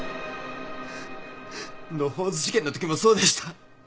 野放図事件のときもそうでした。